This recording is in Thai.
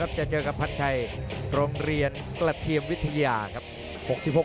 สวัสดิ์ศิษย์ศิษย์ทองตอน